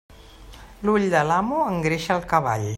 L'ull de l'amo engreixa el cavall.